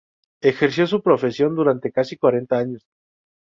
Ejerció su profesión durante casi cuarenta años.